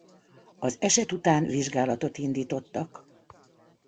Az eset után vizsgálatot indítottak.